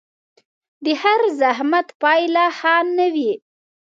د هر زحمت پايله ښه نه وي